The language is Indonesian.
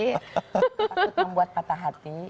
takut membuat patah hati